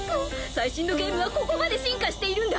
最新のゲームはここまで進化しているんだ！